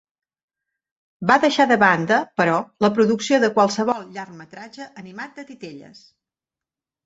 Va deixar de banda, però, la producció de qualsevol llargmetratge animat de titelles.